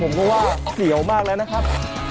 ผมก็ว่าเสียวมากแล้วนะครับ